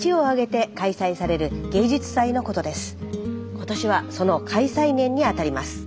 今年はその開催年に当たります。